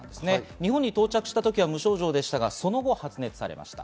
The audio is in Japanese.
日本に到着した時は無症状でしたが、その後、発熱されました。